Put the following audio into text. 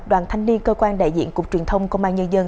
đoàn thanh niên cơ quan đại diện cục truyền thông công an nhân dân